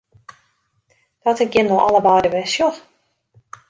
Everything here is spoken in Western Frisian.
Dat ik jim no allebeide wer sjoch!